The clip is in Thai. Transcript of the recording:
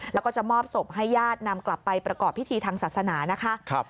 แล้วก็จะมอบศพให้ญาตินำกลับไปประกอบพิธีทางศาสนานะคะ